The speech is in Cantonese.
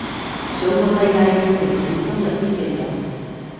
想個世界變成佢心入邊嘅樣